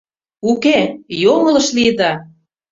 Уке, йоҥылыш лийыда!